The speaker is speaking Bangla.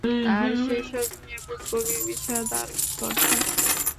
আর সেইসঙ্গে এমন গভীর বিষাদ আর উৎকণ্ঠা।